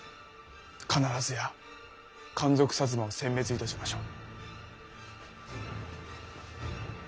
必ずや奸賊摩を殲滅いたしましょう。